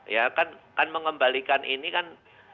ya kan mengembalikan ini kan